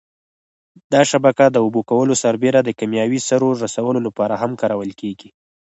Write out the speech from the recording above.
دا شبکه د اوبه کولو سربېره د کېمیاوي سرو رسولو لپاره هم کارول کېږي.